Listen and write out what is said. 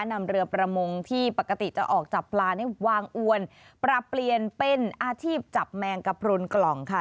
นำเรือประมงที่ปกติจะออกจับปลานี่วางอวนปรับเปลี่ยนเป็นอาชีพจับแมงกระพรุนกล่องค่ะ